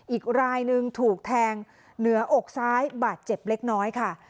อีกรายหนึ่งถูกแทงเหนืออกซ้ายบาดเจ็บเล็กน้อยค่ะ